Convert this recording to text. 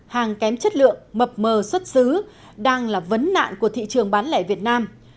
hàng kém chất lượng mập mờ xuất xứ đang là vấn nạn của thị trường bán lẻ việt nam